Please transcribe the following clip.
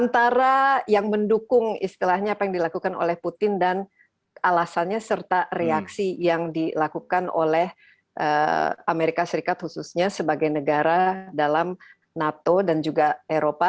antara yang mendukung istilahnya apa yang dilakukan oleh putin dan alasannya serta reaksi yang dilakukan oleh amerika serikat khususnya sebagai negara dalam nato dan juga eropa